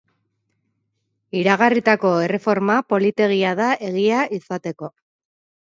Iragarritako erreforma politegia da egia izateko.